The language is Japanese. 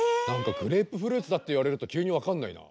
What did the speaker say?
グレープフルーツだって言われると急にわかんないな。